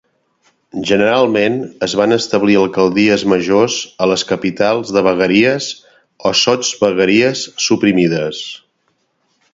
Generalment es van establir alcaldies majors a les capitals de vegueries o sotsvegueries suprimides.